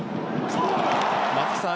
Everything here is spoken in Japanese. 松木さん